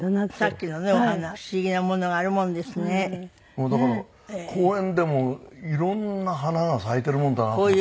もうだから公園でもいろんな花が咲いてるものだなと思って。